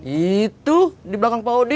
itu dibelakang pak odi